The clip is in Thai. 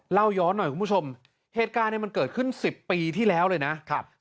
เล่าย้อนหน่อยคุณผู้ชมเหตุการณ์เนี่ยมันเกิดขึ้น๑๐ปีที่แล้วเลยนะครับ